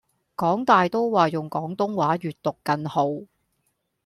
港大都話用廣東話閱讀更好